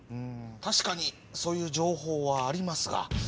確かにそういう情報はありますが。